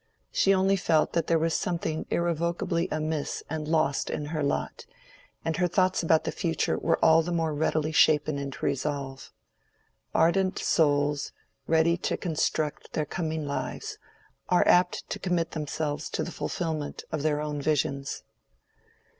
She only felt that there was something irrevocably amiss and lost in her lot, and her thoughts about the future were the more readily shapen into resolve. Ardent souls, ready to construct their coming lives, are apt to commit themselves to the fulfilment of their own visions.